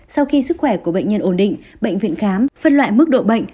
sau khi sức khỏe của bệnh nhân ổn định bệnh viện khám phân loại mức độ bệnh